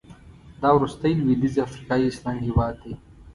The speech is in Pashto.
دا وروستی لوېدیځ افریقایي اسلامي هېواد دی.